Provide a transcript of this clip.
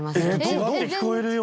違って聞こえるよ。